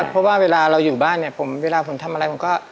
เพราะว่าเวลาเราอยู่บ้านเนี่ยเวลาผมทำอะไรผมก็